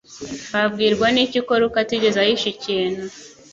Wabwirwa n'iki ko Luka atigeze ahisha ikintu